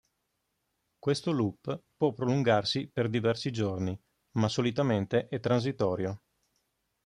Questo loop può prolungarsi per diversi giorni, ma solitamente è transitorio.